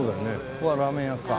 ここはラーメン屋か。